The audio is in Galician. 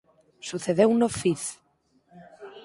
Sucedeuno Fiz